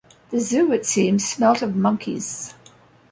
The Zoo, it seemed, smelt of monkeys.